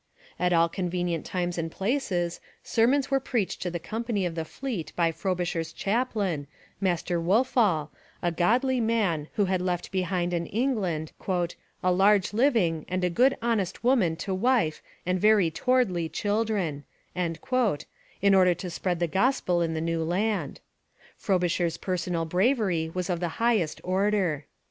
At all convenient times and places, sermons were preached to the company of the fleet by Frobisher's chaplain, Master Wolfall, a godly man who had left behind in England a 'large living and a good honest woman to wife and very towardly children,' in order to spread the Gospel in the new land. Frobisher's personal bravery was of the highest order.